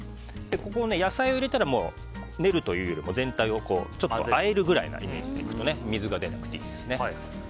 野菜を入れたら練るというより全体をあえるくらいなイメージでいくと水が出なくていいですね。